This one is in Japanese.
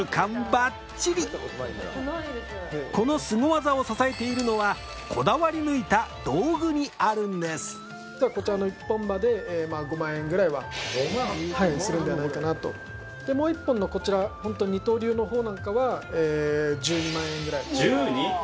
ばっちりこのスゴ技を支えているのはこだわり抜いた道具にあるんですこちらの一本刃で５万円ぐらいはするんではないかなとでもう一本のこちらホント二刀流の方なんかは１２万円ぐらい１２！？